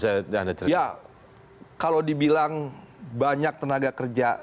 ya kalau dibilang banyak tenaga kerja